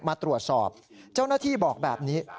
มาตรวจสอบเจ้าหน้าที่บอกแบบนี้